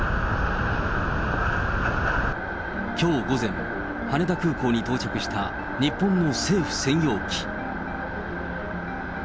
きょう午前、羽田空港に到着した日本の政府専用機。